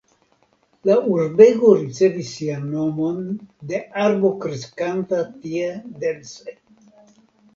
La urbego ricevis sian nomon de arbo kreskanta tie dense.